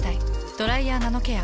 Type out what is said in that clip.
「ドライヤーナノケア」。